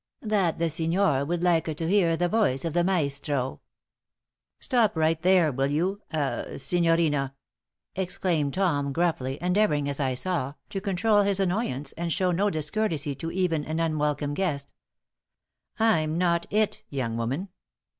That the signor would lika to hear the voice of the maestro " "Stop right there, will you ah signorina," exclaimed Tom, gruffly, endeavoring, as I saw, to control his annoyance and show no discourtesy to even an unwelcome guest. "I'm not it, young woman.